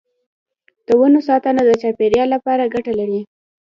د ونو ساتنه د چاپیریال لپاره ګټه لري.